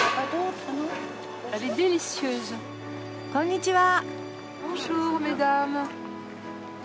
こんにちは。